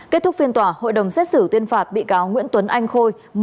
kết thúc phiên tòa hội đồng xét xử tuyên phạt bị cáo nguyễn tuấn anh khôi